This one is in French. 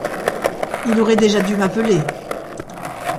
Il aurait déjà dû m’appeler.